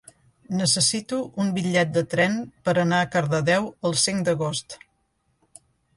Necessito un bitllet de tren per anar a Cardedeu el cinc d'agost.